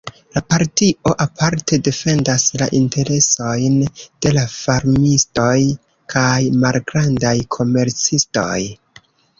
La partio aparte defendas la interesojn de la farmistoj kaj malgrandaj komercistoj.